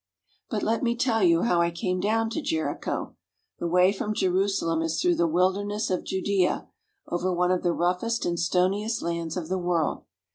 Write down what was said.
But let me tell you how I came down to Jericho. The way from Jerusalem is through the wilderness of Judea, over one of the roughest and stoniest lands of the world.